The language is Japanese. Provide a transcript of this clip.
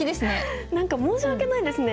何か申し訳ないですね。